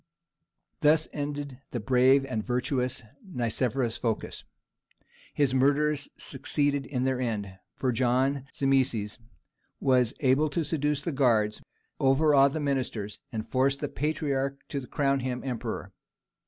Thus ended the brave and virtuous Nicephorus Phocas. His murderers succeeded in their end, for John Zimisces was able to seduce the guards, overawe the ministers, and force the patriarch to crown him emperor.